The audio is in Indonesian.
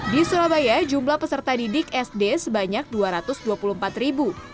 di surabaya jumlah peserta didik sd sebanyak dua ratus dua puluh empat ribu